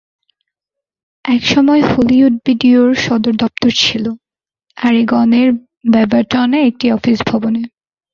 এক সময় হলিউড ভিডিওর সদর দপ্তর ছিল অরেগনের বেভারটনে একটি অফিস ভবনে।